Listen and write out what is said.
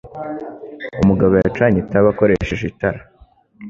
Umugabo yacanye itabi akoresheje itara.